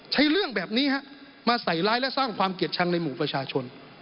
เรื่องแบบนี้ฮะมาใส่ร้ายและสร้างความเกลียดชังในหมู่ประชาชน